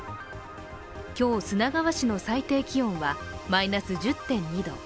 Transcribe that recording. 今日、砂川市の最低気温はマイナス１０．２度。